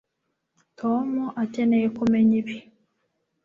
Tom akeneye kumenya ibi